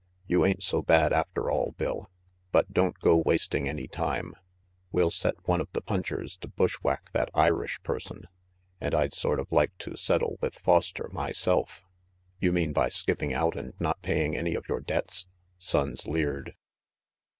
"You ain't so bad after all, Bill. But don't go wasting any time. We'll set one of the punchers to bushwhack that Irish person, and I'd sort of like to settle with Foster myself "You mean by skipping out and not paying any of your debts?" Sonnes leered.